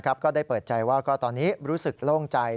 ก็ได้เปิดใจว่าตอนนี้รู้สึกโล่งใจ